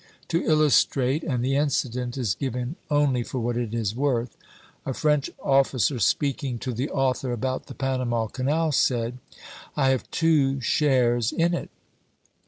To illustrate, and the incident is given only for what it is worth, a French officer, speaking to the author about the Panama Canal, said: "I have two shares in it.